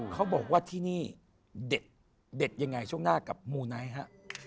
เขาบอกว่าที่นี่เด็ดยังไงช่วงหน้ากับมูไนท์ฮะ